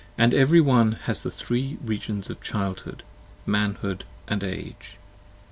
25 And every one has the three regions Childhood: Manhood: & Age.